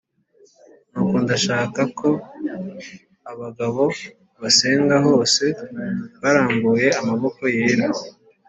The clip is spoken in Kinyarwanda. Nuko ndashaka ko abagabo basenga hose barambuye amaboko yera